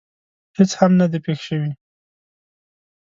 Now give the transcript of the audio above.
هېڅ هم نه دي پېښ شوي.